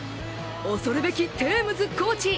恐るべきテームズコーチ。